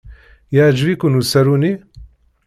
Yeɛjeb-iken usaru-nni?